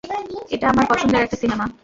এটা আমার পছন্দের একটা সিনেমা।